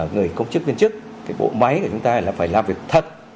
người công chức viên chức cái bộ máy của chúng ta là phải làm việc thật